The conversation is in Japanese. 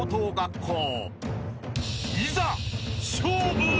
［いざ勝負！］